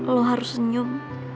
lo harus senyum